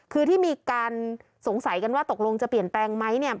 คือที่มีการสงสัยกันว่าตกลงจะเปลี่ยนแปลงไหมเนี่ย